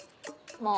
まぁ。